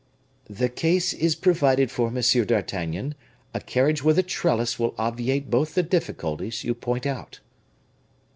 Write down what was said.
"The case is provided for, Monsieur d'Artagnan; a carriage with a trellis will obviate both the difficulties you point out."